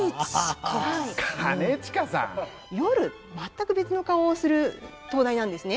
夜全く別の顔をする灯台なんですね。